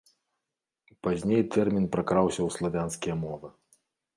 Пазней тэрмін пракраўся ў славянскія мовы.